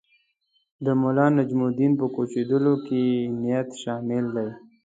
د ملانجم الدین په کوچېدلو کې نیت شامل دی.